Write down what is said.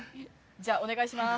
じゃあお願いします。